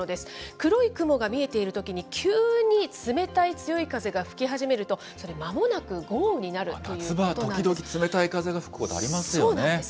黒い雲が見えているときに、急に冷たい強い風が吹き始めると、それ、まもなく豪雨になるということなんです。